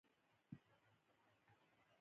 لېوالتیا باید د هغه په ذهن کې غځونې وکړي